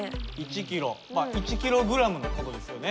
１ｋｇの事ですよね？